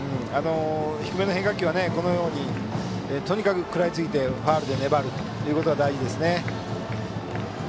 低めの変化球はこのようにとにかく食らいついてファウルで粘るということが大事ですね。